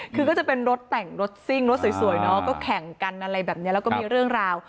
คือก็จะเป็นรถแต่งรถซิ่งรถสวยเนาะก็แข่งกันอะไรแบบนี้แล้วก็มีเรื่องราว